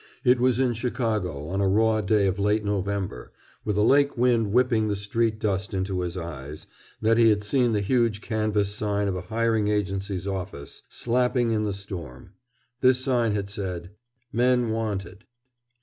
It was in Chicago, on a raw day of late November, with a lake wind whipping the street dust into his eyes, that he had seen the huge canvas sign of a hiring agency's office, slapping in the storm. This sign had said: "MEN WANTED."